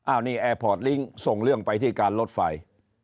อันนี้แอร์พอร์ตลิงค์ส่งเรื่องไปที่การรถไฟ